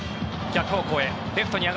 逆方向へ。